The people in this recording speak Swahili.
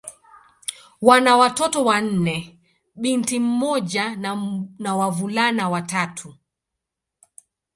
Wana watoto wanne: binti mmoja na wavulana watatu.